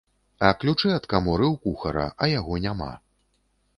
А ключы ад каморы ў кухара, а яго няма.